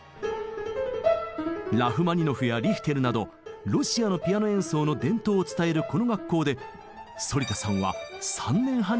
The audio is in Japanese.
ラフマニノフやリヒテルなどロシアのピアノ演奏の伝統を伝えるこの学校で反田さんは３年半にわたり研さんを積みました。